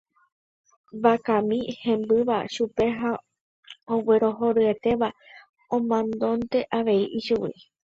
vakami hembýva chupe ha oguerohoryetéva omanónte avei ichugui